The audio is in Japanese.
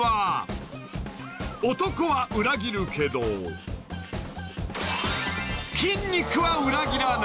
［男は裏切るけど筋肉は裏切らない］